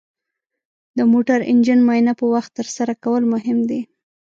د موټر انجن معاینه په وخت ترسره کول مهم دي.